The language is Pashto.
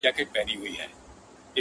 نور مي په حالاتو باور نه راځي بوډی سومه٫